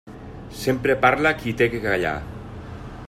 Sempre parla qui té què callar.